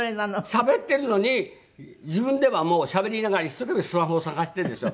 しゃべってるのに自分ではもうしゃべりながら一生懸命スマホを捜してるでしょ？